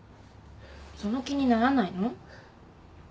その気にならないの？